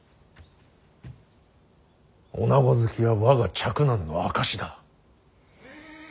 女子好きは我が嫡男の証しだ。